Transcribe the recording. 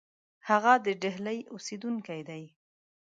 هغه د ډهلي اوسېدونکی دی.